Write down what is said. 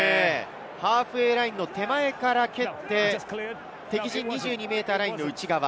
ハーフウェイラインの手前から敵陣２２ｍラインの内側。